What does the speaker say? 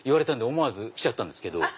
思わず来ちゃったんですけど。